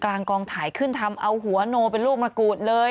กลางกองถ่ายขึ้นทำเอาหัวโน่เป็นรูปมากูดเลย